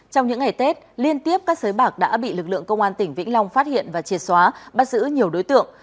trong những ngày tết liên tiếp các sới bạc đã bị lực lượng công an tỉnh vĩnh long phát hiện và triệt xóa bắt giữ nhiều đối tượng